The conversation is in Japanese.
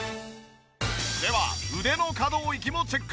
では腕の可動域もチェック！